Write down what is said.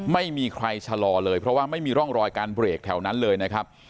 ไม่มีใครชะลอเลยเพราะว่าไม่มีร่องรอยการเบรกแถวนั้นเลยนะครับ